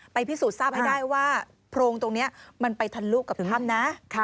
พิสูจน์ทราบให้ได้ว่าโพรงตรงนี้มันไปทะลุกับถึงถ้ำนะ